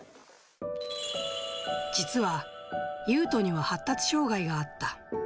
実はユウトには発達障がいがあった。